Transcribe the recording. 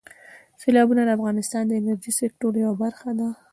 سیلابونه د افغانستان د انرژۍ سکتور یوه برخه ده.